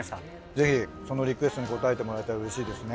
ぜひそのリクエストに応えてもらえたらうれしいですね。